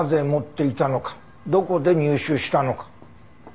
どこで入手したのか？